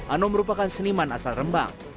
anom merupakan seniman asal rembang